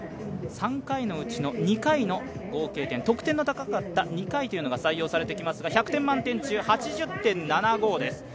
３回のうちの２回の合計点、得点の高かった２回が採用されてきますが１００点満点中８０．７５です。